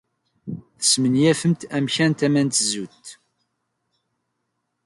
Tesmenyafemt amkan tama n tzewwut.